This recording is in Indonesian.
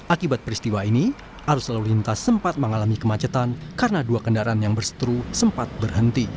akibat peristiwa ini arus lalu lintas sempat mengalami kemacetan karena dua kendaraan yang berseteru sempat berhenti